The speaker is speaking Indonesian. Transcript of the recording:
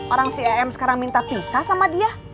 orang si em sekarang minta pisah sama dia